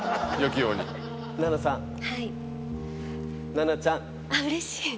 奈々ちゃん。あっうれしい。